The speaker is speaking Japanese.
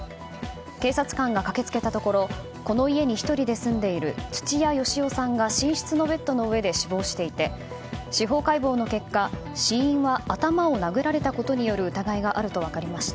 警察官が駆けつけたところこの家に１人で住んでいる土屋好夫さんが寝室のベッドの上で死亡していて司法解剖の結果死因は頭を殴られたことによる疑いがあると分かりました。